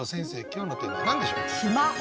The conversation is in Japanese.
今日のテーマは何でしょう？